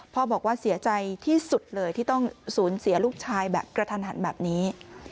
บอกว่าเสียใจที่สุดเลยที่ต้องสูญเสียลูกชายแบบกระทันหันแบบนี้